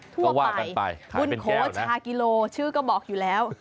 ทั่วไปบุญโขชากิโลชื่อก็บอกอยู่แล้ว